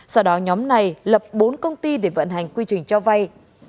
sau đó nhóm này lập bốn công ty để vận hành quy trình cho vay